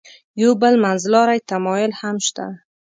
یو بل منځلاری تمایل هم شته.